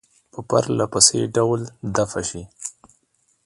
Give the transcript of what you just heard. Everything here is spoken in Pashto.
په پرله پسې ډول دفع شي.